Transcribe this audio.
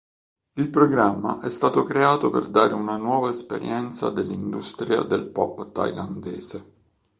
Il programma è stato creato per dare una "nuova esperienza dell'industria del pop thailandese".